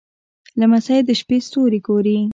لمسی د شپې ستوري ګوري.